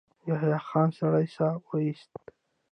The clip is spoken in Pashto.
يحيی خان سړه سا وايسته.